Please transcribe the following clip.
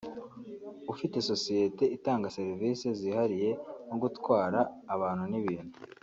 ufite sosiyete itanga serivisi zihariye nko gutwara abantu n’ibintu